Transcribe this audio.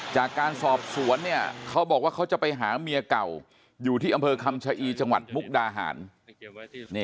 จากการสอบสวนเนี่ยเขาบอกว่าเขาจะไปหาเมียเก่าอยู่ที่อำเภอคำชะอีจังหวัดมุกดาหาร